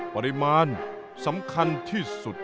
ปริมาณสำคัญที่สุด